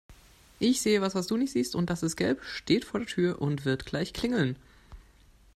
Ich sehe was, was du nicht siehst und das ist gelb, steht vor der Tür und wird gleich klingeln.